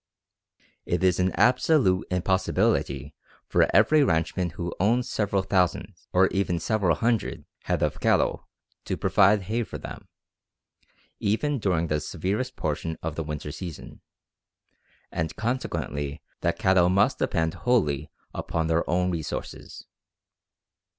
It is an absolute impossibility for every ranchman who owns several thousand, or even several hundred, head of cattle to provide hay for them, even during the severest portion of the winter season, and consequently the cattle must depend wholly upon their own resources.